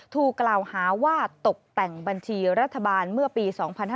ถูกกล่าวหาว่าตกแต่งบัญชีรัฐบาลเมื่อปี๒๕๕๙